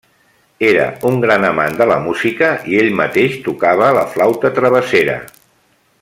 Era un gran amant de la música, i ell mateix tocava la flauta travessera.